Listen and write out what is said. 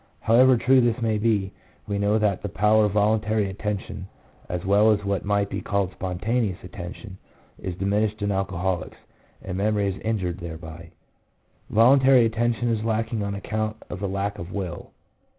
However true this may be, we know that the power of voluntary atten tion, as well as what might be called spontaneous attention, is diminished in alcoholics, and memory is injured thereby. Voluntary attention is lacking on account of the lack of will.